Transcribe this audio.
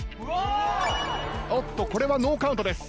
おっとこれはノーカウントです。